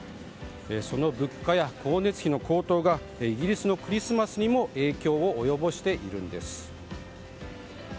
その物価や光熱費の高騰がイギリスのクリスマスにも影響を及ぼしているんです。